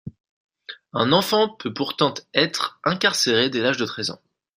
Un enfant peut pourtant être incarcéré dès l’âge de treize ans.